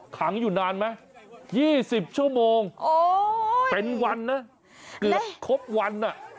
ขังอยู่นานมั้ยยี่สิบชั่วโมงโอ้ยเป็นวันนะเกือบครบวันน่ะ